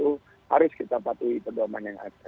harus kita patuhi perbohongan yang ada